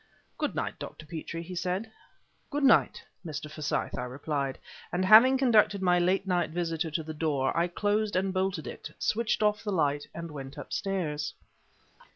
"Good night, Dr. Petrie," he said. "Good night, Mr. Forsyth," I replied; and, having conducted my late visitor to the door, I closed and bolted it, switched off the light and went upstairs.